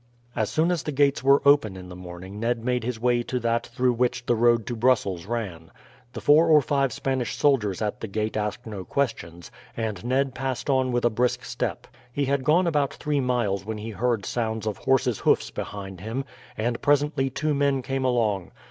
As soon as the gates were open in the morning Ned made his way to that through which the road to Brussels ran. The four or five Spanish soldiers at the gate asked no questions, and Ned passed on with a brisk step. He had gone about three miles when he heard sounds of horses' hoofs behind him, and presently two men came along.